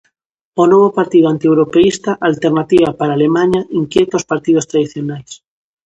O novo partido antieuropeísta, Alternativa para Alemaña, inquieta aos partidos tradicionais.